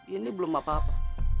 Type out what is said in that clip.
ini belum apa apa